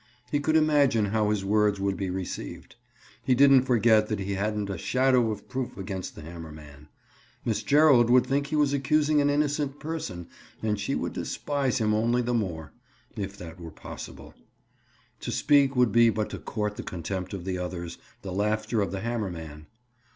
He could imagine how his words would be received. He didn't forget that he hadn't a shadow of proof against the hammer man. Miss Gerald would think he was accusing an innocent person and she would despise him (Bob) only the more—if that were possible. To speak would be but to court the contempt of the others, the laughter of the hammer man.